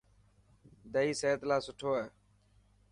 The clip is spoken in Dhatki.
دئي صحت لاءِ سٺو آهي.